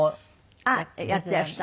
あっやってらした？